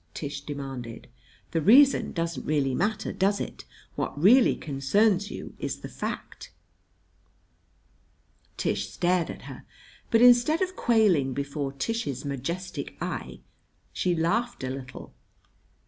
Tish demanded. "The reason doesn't really matter, does it? What really concerns you is the fact." Tish stared at her; but instead of quailing before Tish's majestic eye she laughed a little.